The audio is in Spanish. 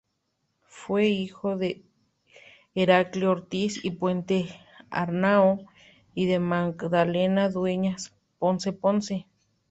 Fue hijo de Heraclio Ortiz y Puente Arnao y de Magdalena Dueñas Ponce Ponce.